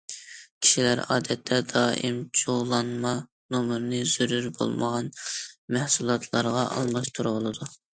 كىشىلەر ئادەتتە دائىم جۇغلانما نومۇرىنى زۆرۈر بولمىغان مەھسۇلاتلارغا ئالماشتۇرۇۋالىدۇ.